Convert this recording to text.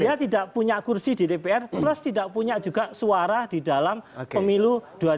dia tidak punya kursi di dpr plus tidak punya juga suara di dalam pemilu dua ribu dua puluh